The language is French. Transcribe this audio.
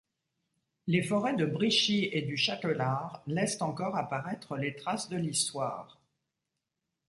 Les Forêts de Brichy et du Châtelard laissent encore apparaître les traces de l'Histoire.